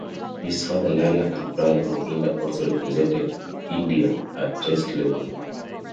His father Lala and brother Mohinder also represented India at Test level.